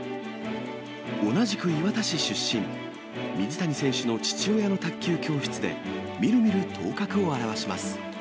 同じく磐田市出身、水谷選手の父親の卓球教室で、みるみる頭角を現します。